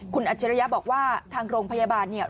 คุณอัจฉริยะบอกว่าทางโรงพยาบาลเนี่ย